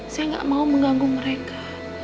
saya nggak mau mengganggu mereka